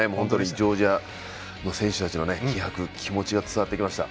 ジョージアの選手たちの気迫、気持ちが伝わってきました。